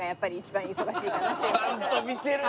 ちゃんと見てるな。